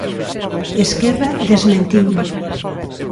Esquerra desmentiuno.